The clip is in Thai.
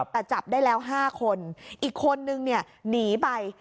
แต่จับได้แล้ว๕คนอีกคนนึงเนี่ยหนีไป